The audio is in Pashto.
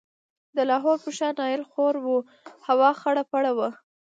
د لاهور پر ښار نایل خور و، هوا خړه پړه وه.